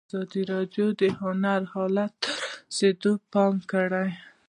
ازادي راډیو د هنر حالت ته رسېدلي پام کړی.